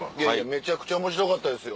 めちゃくちゃ面白かったですよ。